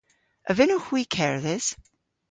A vynnowgh hwi kerdhes?